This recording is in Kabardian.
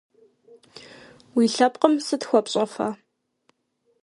Уи лъэпкъым сыт хуэпщӀэфа?